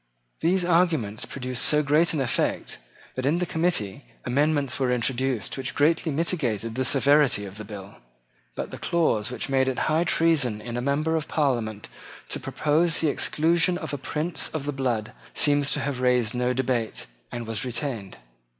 These arguments produced so great an effect that in the committee amendments were introduced which greatly mitigated the severity of the bill. But the clause which made it high treason in a member of Parliament to propose the exclusion of a prince of the blood seems to have raised no debate, and was retained.